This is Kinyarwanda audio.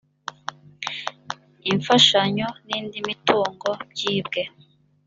imfashanyo n indi mitungo byibwe.